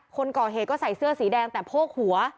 คนก่อเหตุก็ใส่เสื้อสีแดงแต่โพกหัว